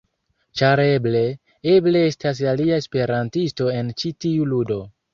Ĉar eble... eble estas alia esperantisto en ĉi tiu ludo.